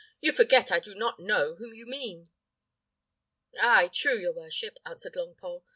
"You forget I do not know whom you mean." "Ay, true, your worship," answered Longpole.